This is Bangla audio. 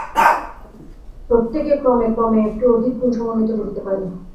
প্রত্যেকে ক্রমে ক্রমে একটি অধিক গুণ-সমন্বিত দেখিতে পাইল।